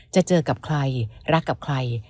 จะเจอกับใครรักกับใคร